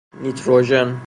نیتروژن